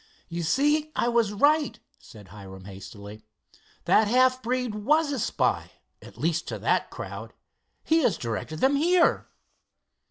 "You see, I was right," said Hiram hastily. "That half breed was a spy, at least to that crowd. He has directed them here."